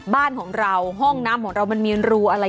บ้านของเราห้องน้ำของเรามันมีรูอะไร